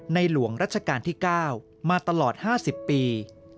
หลวงรัชกาลที่๙มาตลอด๕๐ปี